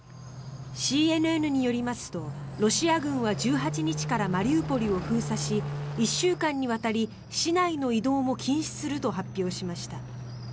ＣＮＮによりますとロシア軍は１８日からマリウポリを封鎖し１週間にわたり市内の移動も禁止すると発表しました。